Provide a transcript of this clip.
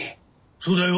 そうだよ。